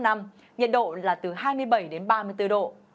nhiệt độ là từ hai mươi bảy đến ba mươi bốn độ